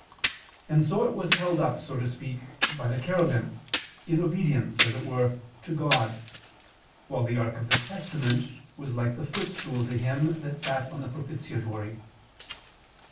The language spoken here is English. And so it was held up, so to speak, by the cherubim, in obedience, as it were, to God: while the ark of the testament was like the foot stool to Him that sat on the propitiatory.